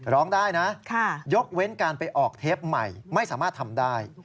ร้องได้นะยกเว้นการไปออกเทปใหม่ไม่สามารถทำได้